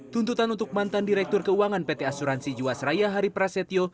tuntutan untuk mantan direktur keuangan pt asuransi jiwasraya hari prasetyo